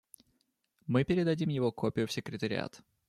Мы передадим его копию в секретариат.